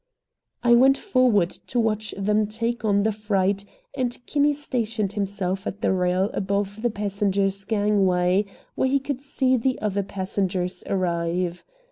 I went forward to watch them take on the freight, and Kinney stationed himself at the rail above the passengers gangway where he could see the other passengers arrive.